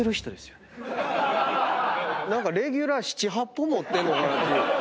何かレギュラー７８本持ってんのかなっていう。